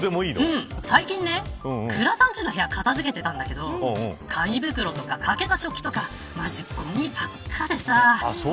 最近ね、倉田んちの部屋片付けてたんだけど紙袋とか、欠けた食器とかまじ、ごみばっかでさあ。